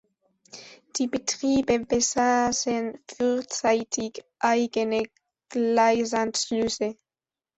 Die Betriebe besaßen frühzeitig eigene Gleisanschlüsse.